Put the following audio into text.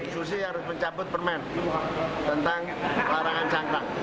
susi harus mencabut permen tentang larangan sangka